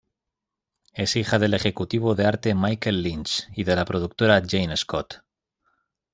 Es hija del ejecutivo de arte Michael Lynch y de la productora Jane Scott.